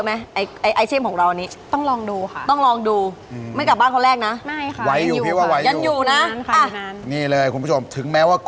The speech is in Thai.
แองคลี่เบิร์ดด้วยน่ารักจะตาย